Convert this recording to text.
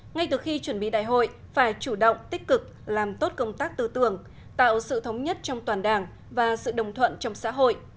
ngay từ khi chuẩn bị đại hội phải chủ động tích cực làm tốt công tác tư tưởng tạo sự thống nhất trong toàn đảng và sự đồng thuận trong xã hội